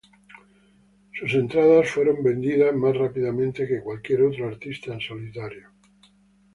Sus entradas fueron vendidas más rápidamente que cualquier otro artista en solitario.